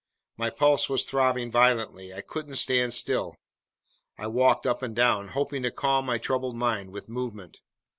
My pulse was throbbing violently. I couldn't stand still. I walked up and down, hoping to calm my troubled mind with movement.